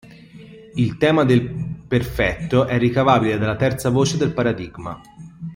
Il tema del perfetto è ricavabile dalla terza voce del paradigma.